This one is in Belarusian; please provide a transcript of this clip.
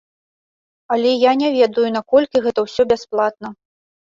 Але я не ведаю, наколькі гэта ўсё бясплатна.